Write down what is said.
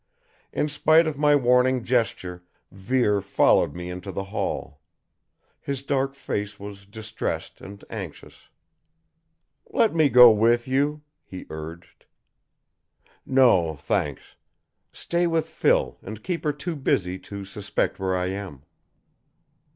In spite of my warning gesture, Vere followed me into the hall. His dark face was distressed and anxious. "Let me go with you," he urged. "No, thanks. Stay with Phil, and keep her too busy to suspect where I am."